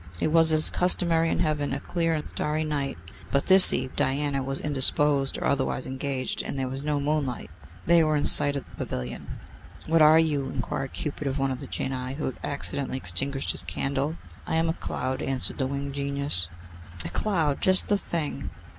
It was, as customary in Heaven, a clear and starry night; but this eve Diana was indisposed, or otherwise engaged, and there was no moonlight. They were in sight of the pavilion. 'What are you?' inquired Cupid of one of the genii, who accidentally extinguished his candle. 'I am a cloud,' answered the winged genius. 'A cloud! Just the thing.